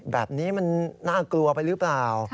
แบบนี้มันน่ากลัวไปหรือเปล่า